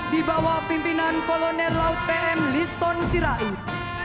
di bawah pimpinan kolonel arhanud tri sugianto